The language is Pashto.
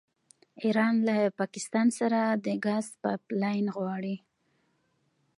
ایران له پاکستان سره د ګاز پایپ لاین غواړي.